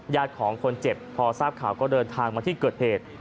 ญาติของคนเจ็บพอทราบข่าวก็เดินทางมาที่เกิดเหตุ